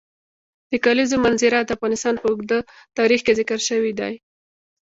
د کلیزو منظره د افغانستان په اوږده تاریخ کې ذکر شوی دی.